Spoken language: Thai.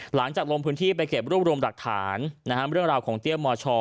หลังจากลงพื้นที่ไปเก็บรูปรวมหลักฐานเรื่องราวของเตี้ยมช